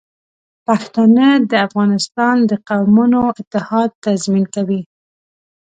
پښتانه د افغانستان د قومونو اتحاد تضمین کوي.